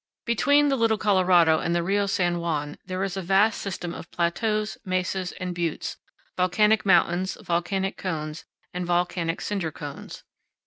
Between the Little Colorado and the Rio San Juan there is a vast system of plateaus, mesas, and buttes, volcanic mountains, volcanic cones, and volcanic cinder cones.